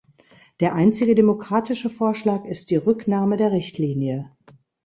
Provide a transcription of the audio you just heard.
Der einzige demokratische Vorschlag ist die Rücknahme der Richtlinie.